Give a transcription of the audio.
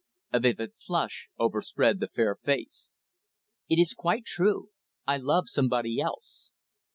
A vivid flush overspread the fair face. "It is quite true, I love somebody else."